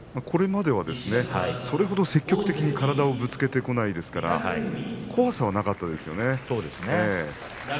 これまではそれほど積極的に体をぶつけてこないですから怖さはなかったですよね。